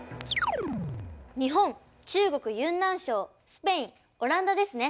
日本中国・ユンナン省スペインオランダですね。